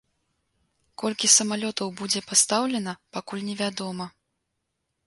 Колькі самалётаў будзе пастаўлена, пакуль невядома.